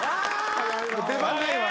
出番ないわ。